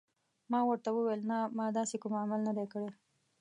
ما ورته وویل: نه، ما داسې کوم عمل نه دی کړی.